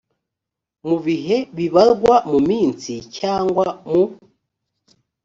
ku bihe bibarwa mu minsi cyangwa mu